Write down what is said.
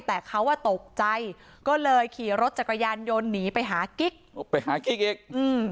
แต่เขาอ่ะตกใจก็เลยขี่รถจักรยานยนต์หนีไปหากิ๊กไปหากิ๊กอีก